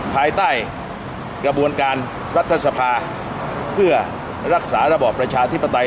ภายใต้กระบวนการรัฐสภาเพื่อรักษาระบอบประชาธิปไตย